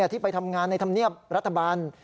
ที่ไปทำงานในธรรมเนียบรัฐบาล